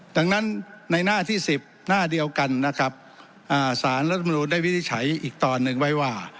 ดังนั้นในหน้าที่๑๐หน้าเดียวกันนะครับสารรัฐมนุนได้วินิจฉัยอีกตอนหนึ่งไว้ว่า